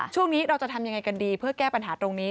ช่วงนี้เราจะทำยังไงกันดีเพื่อแก้ปัญหาตรงนี้